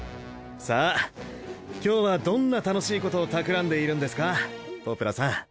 さあ今日はどんな楽しいことを企んでいるんですかポプラさん。